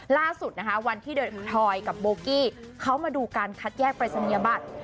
ล่าสุดนะคะวันที่ทอยกับโบกี้เขามาดูการคัดแยกปรายศนียบัตร